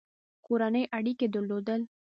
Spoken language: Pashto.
کورني اړیکي درلودل.